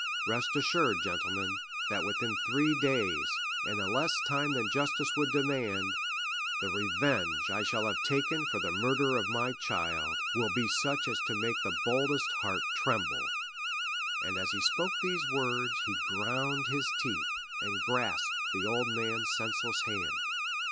Rest assured, gentlemen, that within three days, in a less time than justice would demand, the revenge I shall have taken for the murder of my child will be such as to make the boldest heart tremble;" and as he spoke these words he ground his teeth, and grasped the old man's senseless hand.